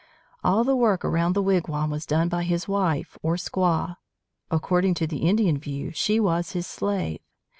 All the work around the wigwam was done by his wife or squaw. According to the Indian view she was his slave.